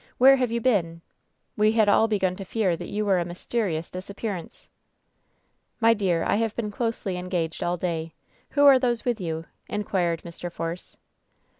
'Where have you been ? We had all begun to fear that you were a ^mysterious disappearance' !" "My dear, I have been closely engaged all day. Who are those with you ?" inquired Mr. Force.